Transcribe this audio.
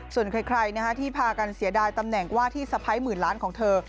ส่วนใครที่พากันเสียดายตำแหน่งว่าที่สะพ้ายหมื่นล้านของเธอ